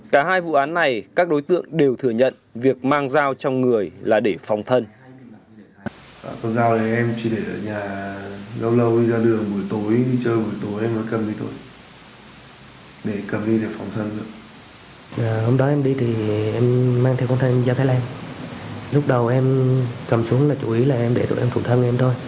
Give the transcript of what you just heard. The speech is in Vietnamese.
cả hai vụ án này các đối tượng đều thừa nhận việc mang dao trong người là để phòng thân